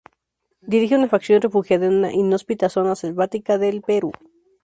Dirige una facción refugiada en una inhóspita zona selvática del Perú.